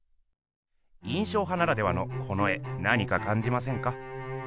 印象派ならではのこの絵なにかかんじませんか？